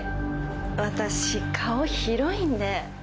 私顔広いんで。